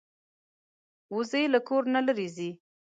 وزې له کور نه لرې نه ځي